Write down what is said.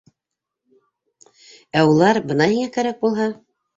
Ә улар, бына һиңә кәрәк булһа!..